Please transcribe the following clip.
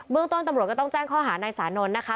เมืองต้นตำรวจก็ต้องแจ้งข้อหานายสานนท์นะคะ